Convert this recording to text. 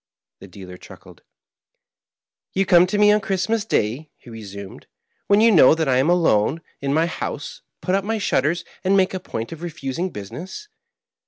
The dealer chuckled. " Ton come to me on Christ mas day," he resumed, "when you know that I am alone in my house, put up my shutters, and make a point of refusing business.